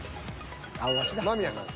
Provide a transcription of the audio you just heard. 間宮くん。